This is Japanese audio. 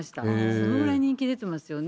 そのぐらい人気出てますよね。